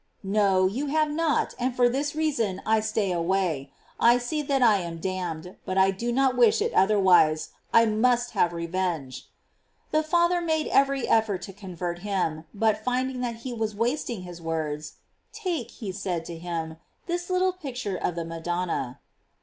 No, you have not, and for this reason I stay away: I see that I am damned, but I do not »^ish it otherwise, I must have revenge." The father made every effort to convert him, but rinding that he was wasting his words, " Take,'* he said to him, (( this little picture of the Madonna."